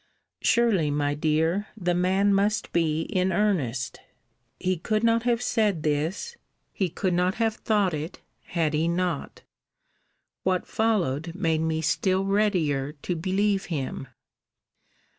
Surely, my dear, the man must be in earnest. He could not have said this; he could not have thought it, had he not. What followed made me still readier to believe him.